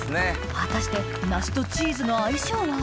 果たして梨とチーズの相性は？